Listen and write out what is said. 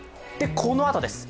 このあとです。